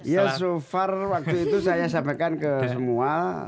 ya so far waktu itu saya sampaikan ke semua